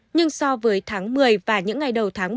nhưng so với tháng một mươi và những ngày đầu tháng một mươi một